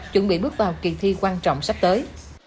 chuẩn bị bước vào kỳ thi quan trọng sắp tới